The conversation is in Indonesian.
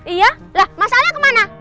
iya lah masalahnya kemana